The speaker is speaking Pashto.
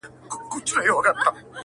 • ما دفن کړه د دې کلي هدیره کي,